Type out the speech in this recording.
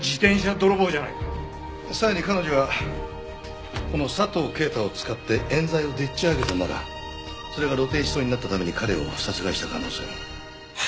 さらに彼女はこの佐藤啓太を使って冤罪をでっち上げたならそれが露呈しそうになったために彼を殺害した可能性も。